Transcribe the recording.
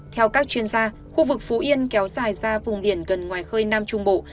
theo các chuyên gia khu vực phú yên kéo dài ra vùng biển gần ngoài khơi nam trung bộ